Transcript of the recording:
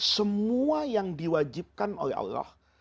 semua yang diwajibkan oleh allah